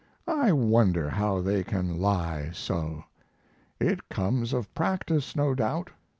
I wonder how they can lie so. It comes of practice, no doubt.